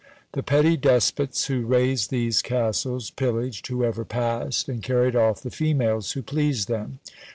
The petty despots who raised these castles pillaged whoever passed, and carried off the females who pleased them.